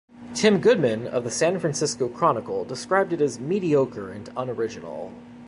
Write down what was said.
Tim Goodman of the "San Francisco Chronicle" described it as "mediocre" and unoriginal.